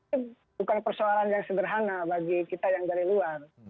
itu bukan persoalan yang sederhana bagi kita yang dari luar